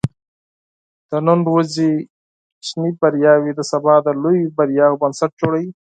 د نن ورځې کوچني بریاوې د سبا د لویو بریاوو بنسټ جوړوي.